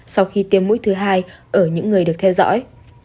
sau khi tiêm mũi thứ hai ở những người được theo dõi